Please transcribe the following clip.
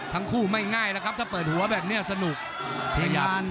ทั้งคู่ไม่ง่ายแล้วครับถ้าเปิดหัวแบบนี้ดีกว่าสนุก